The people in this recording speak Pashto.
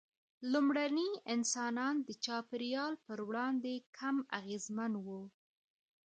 لومړني انسانان د چاپېریال پر وړاندې کم اغېزمن وو.